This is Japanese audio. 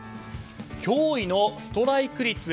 驚異のストライク率。